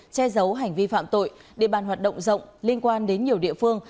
che giấu hành vi phạm tội địa bàn hoạt động rộng liên quan đến nhiều địa phương